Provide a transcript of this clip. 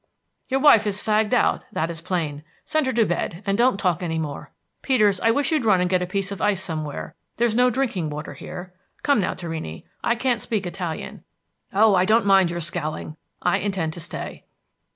"Your wife is fagged out, that is plain. Send her to bed, and don't talk any more. Peters, I wish you'd run and get a piece of ice somewhere; there's no drinking water here. Come, now, Torrini, I can't speak Italian. Oh, I don't mind your scowling; I intend to stay."